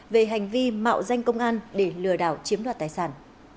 về hành vi mạo danh công an để lừa đảo chiếm đoạt tài sản